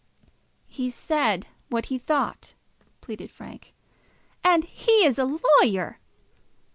"He said what he thought," pleaded Frank. "And he is a lawyer!"